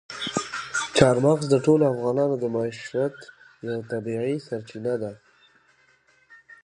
چار مغز د ټولو افغانانو د معیشت یوه طبیعي سرچینه ده.